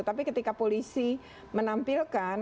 tapi ketika polisi menampilkan